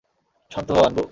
শান্ত হও, আনবু।